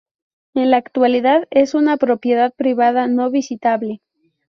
En la actualidad es una propiedad privada no visitable.